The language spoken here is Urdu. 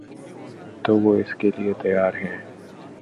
تو وہ اس کے لیے تیار ہیں